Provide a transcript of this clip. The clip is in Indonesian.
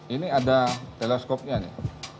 ini ada teleskopnya nih